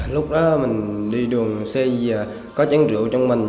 lúc đó mình đi đường xe có chén rượu trong mình